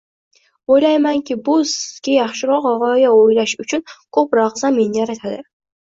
Oʻylaymanki, bu sizga yaxshiroq gʻoya oʻylash uchun koʻproq zamin yaratadi.